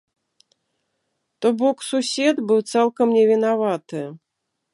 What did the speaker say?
То бок сусед быў цалкам невінаваты.